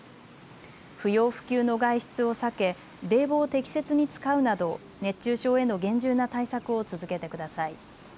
不要不急の外出を避け冷房を適切に使うなど熱中症への厳重な対策を続けてください。